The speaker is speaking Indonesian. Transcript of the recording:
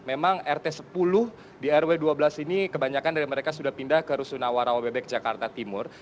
memang rt sepuluh di rw dua belas ini kebanyakan dari mereka sudah pindah ke rusunawa rawa bebek jakarta timur